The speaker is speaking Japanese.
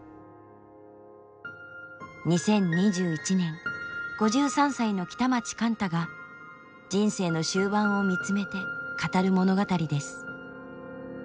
２０２１年５３歳の北町貫多が人生の終盤を見つめて語る物語です。